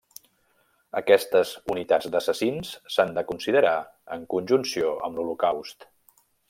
Aquestes unitats d'assassins s'han de considerar en conjunció amb l'Holocaust.